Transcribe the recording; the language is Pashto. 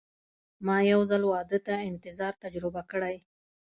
ما یو ځل واده ته انتظار تجربه کړی.